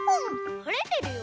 はれてるよ。